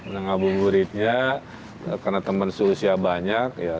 nah ngabuburitnya karena teman seusia banyak ya